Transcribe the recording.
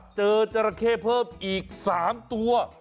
เจอจรักเทพเพิ่มอีก๓ตัว